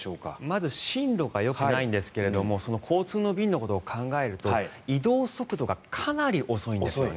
まず進路がよくないんですけれど交通の便のことを考えると移動速度がかなり遅いんですよね。